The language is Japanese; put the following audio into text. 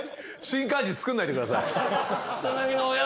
新漢字作んないでください。